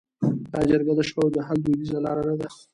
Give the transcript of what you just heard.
آیا جرګه د شخړو د حل دودیزه لاره نه ده؟